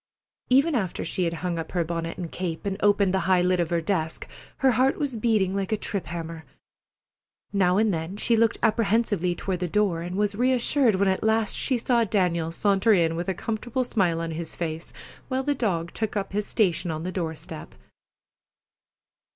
Even after she had hung up her bonnet and cape, and opened the high lid of her desk, her heart was beating like a trip hammer. Now and then she looked apprehensively toward the door, and was reassured when at last she saw Daniel saunter in with a comfortable smile on his face, while the dog took up his station on the door step.